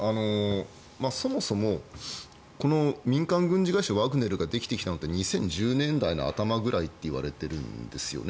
そもそも民間軍事会社ワグネルができてきたのって２０１０年代の頭ぐらいといわれているんですよね。